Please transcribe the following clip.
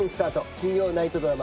金曜ナイトドラマ